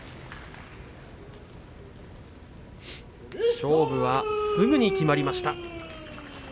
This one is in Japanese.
勝負はすぐに決まりました。